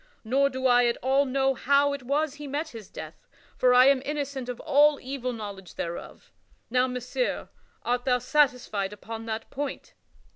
Nor do I at all know how it was he met his death, for I am innocent of all evil knowledge thereof. Now, Messire, art thou satisfied upon that point?"